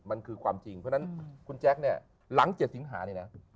มันคือความจริงเพราะฉะนั้นคุณแจ๊คเนี่ยหลัง๗สิงหานี่นะ